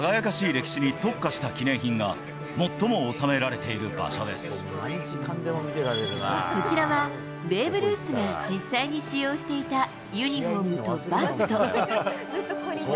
歴史に特化した記念品が、こちらは、ベーブ・ルースが実際に使用していた、ユニホームとバット。